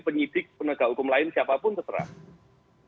penyidik penegak hukum lain siapapun terserah